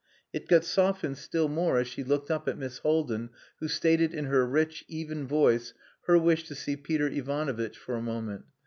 It got softened still more as she looked up at Miss Haldin, who stated, in her rich, even voice, her wish to see Peter Ivanovitch for a moment.